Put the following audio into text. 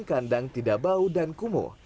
kandang tidak bau dan kumuh